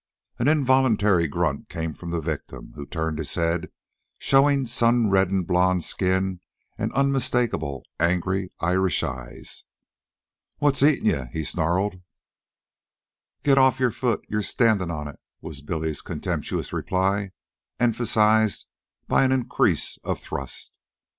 An involuntary grunt came from the victim, who turned his head, showing sun reddened blond skin and unmistakable angry Irish eyes. "What's eatin' yeh?" he snarled. "Get off your foot; you're standin' on it," was Billy's contemptuous reply, emphasized by an increase of thrust.